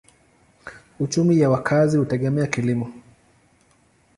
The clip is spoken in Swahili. Uchumi ya wakazi hutegemea kilimo.